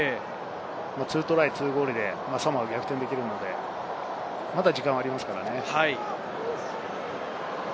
２トライ、２ゴールでサモアは逆転できるので、まだ時間ありますからね。